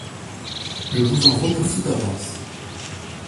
Je vous en remercie d’avance.